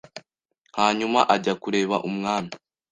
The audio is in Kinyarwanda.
hanyuma ajya kureba umwami